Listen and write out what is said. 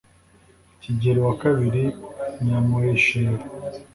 kigeli wa kabiri nyamuheshera